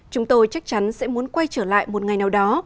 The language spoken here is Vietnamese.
chúng tôi chắc chắn sẽ muốn quay trở lại một ngày nào đó